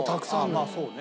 ああまあそうね。